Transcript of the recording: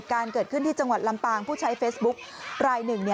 เกิดขึ้นที่จังหวัดลำปางผู้ใช้เฟซบุ๊กรายหนึ่ง